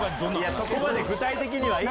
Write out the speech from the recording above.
そこまで具体的にはいいよ！